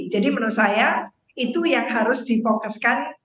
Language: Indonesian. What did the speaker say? jadi menurut saya itu yang harus dipokuskan